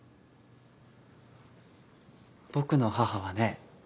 僕の母はね